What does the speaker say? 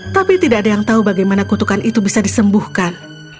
tapi tidak ada yang tahu bagaimana kutukan itu bisa disembuhkan